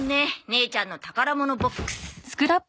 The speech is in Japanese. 姉ちゃんの宝物ボックス。